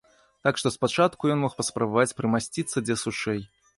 Так што спачатку ён мог паспрабаваць прымасціцца дзе сушэй.